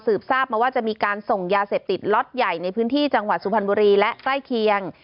ทราบมาว่าจะมีการส่งยาเสพติดล็อตใหญ่ในพื้นที่จังหวัดสุพรรณบุรีและใกล้เคียง